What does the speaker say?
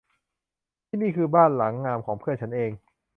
ที่นี่คือบ้านหลังงามของเพื่อนฉันเอง